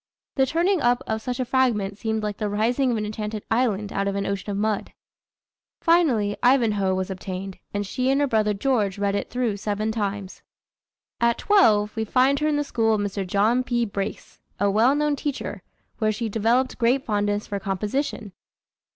The turning up of such a fragment seemed like the rising of an enchanted island out of an ocean of mud." Finally Ivanhoe was obtained, and she and her brother George read it through seven times. At twelve, we find her in the school of Mr. John P. Brace, a well known teacher, where she developed great fondness for composition.